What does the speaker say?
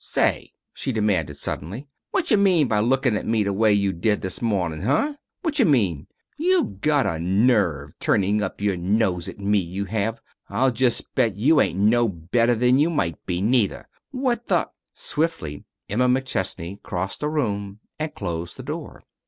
"Say," she demanded suddenly, "whatja mean by lookin' at me the way you did this morning, h'm? Whatja mean? You got a nerve turnin' up your nose at me, you have. I'll just bet you ain't no better than you might be, neither. What the " Swiftly Emma McChesney crossed the room and closed the door.